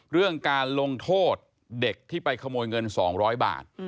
เรื่องการลงโทษเด็กที่ไปขโมยเงิน๒๐๐บาท